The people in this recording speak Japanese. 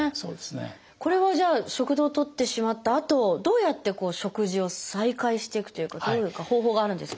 これはじゃあ食道を取ってしまったあとどうやって食事を再開していくというか方法があるんですか？